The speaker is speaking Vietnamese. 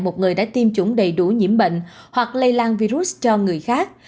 một người đã tiêm chủng đầy đủ nhiễm bệnh hoặc lây lan virus cho người khác